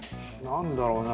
何だろうな？